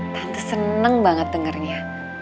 tante seneng banget dengernya